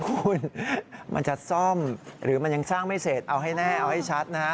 คุณมันจะซ่อมหรือมันยังสร้างไม่เสร็จเอาให้แน่เอาให้ชัดนะฮะ